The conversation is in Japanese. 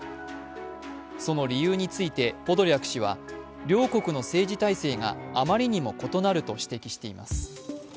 その理由についてポドリャク氏は両国の政治体制があまりにも異なると指摘しています。